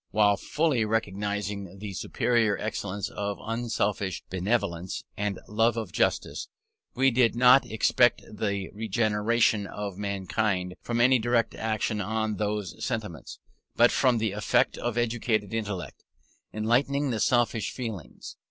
While fully recognising the superior excellence of unselfish benevolence and love of justice, we did not expect the regeneration of mankind from any direct action on those sentiments, but from the effect of educated intellect, enlightening the selfish feelings.